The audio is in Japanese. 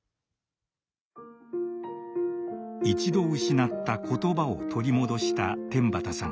一度失った「言葉」を取り戻した天畠さん。